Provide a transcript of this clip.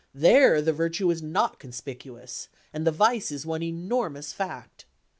There the virtue is not conspicuous, and the vice is one enormous fact.